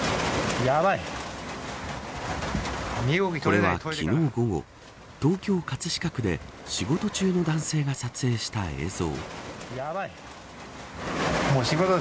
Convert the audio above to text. これは、昨日午後東京・葛飾区で仕事中の男性が撮影した映像。